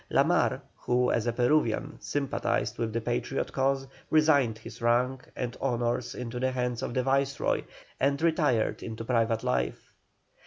La Mar, who as a Peruvian sympathised with the Patriot cause, resigned his rank and honours into the hands of the Viceroy and retired into private life.